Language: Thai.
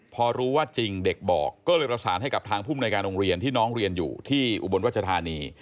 พอรู้ว่าจริงเด็กบอกก็เลยประสานให้กับทางภูมิในการโรงเรียนที่น้องเรียนอยู่ที่อุบลรัชธานี